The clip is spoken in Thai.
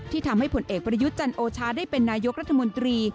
ทำให้ผลเอกประยุทธ์จันโอชาได้เป็นนายกรัฐมนตรี